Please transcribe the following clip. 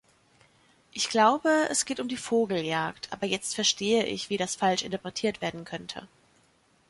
Ich glaube, es geht um die Vogeljagd, aber jetzt verstehe ich, wie das falsch interpretiert werden könnte.